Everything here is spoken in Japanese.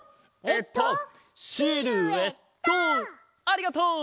ありがとう！